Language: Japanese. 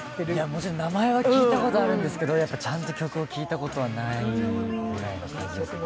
もちろん名前は聞いたことあるんですけど、ちゃんと曲を聴いたことはないですね。